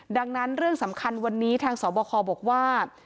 ดังนั้นเรื่องสำคัญวันนี้ทางสบคบอกว่า